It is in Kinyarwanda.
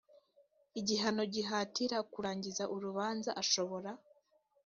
igihano gihatira kurangiza urubanza ashobora